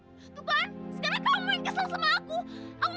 tuh pak sekarang kamu yang kesel sama aku